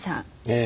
ええ。